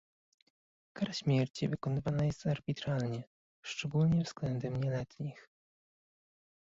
Kara śmierci wykonywana jest arbitralnie, szczególnie względem nieletnich